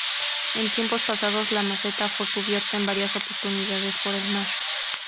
En tiempos pasados, la meseta fue cubierta en varias oportunidades por el mar.